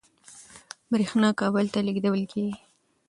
برېښنا کابل ته لېږدول کېږي.